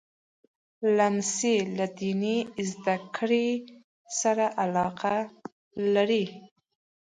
لمسی له دیني زده کړو سره علاقه لري.